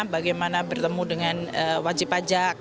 bagaimana bertemu dengan wajib pajak